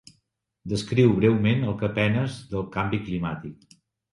Descriu breument el que penes del canvi climàtic.